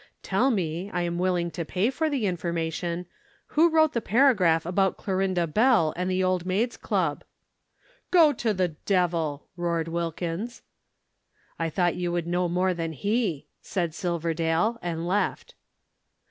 "Tell me I am willing to pay for the information who wrote the paragraph about Clorinda Bell and the Old Maids' Club." "Go to the devil!" roared Wilkins. "I thought you would know more than he," said Silverdale, and left.